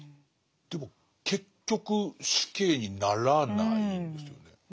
でも結局死刑にならないんですよね。